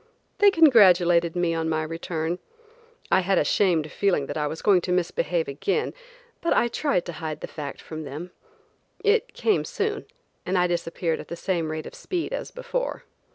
They congratulated me on my return. I had a shamed feeling that I was going to misbehave again, but I tried to hide the fact from them. It came soon, and I disappeared at the same rate of speed as before.